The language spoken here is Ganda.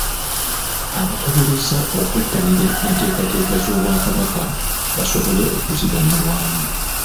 Abakubirizza okwettanira enteekateeka z’Obwakabaka basobole okuziganyulwamu .